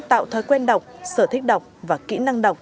tạo thói quen đọc sở thích đọc và kỹ năng đọc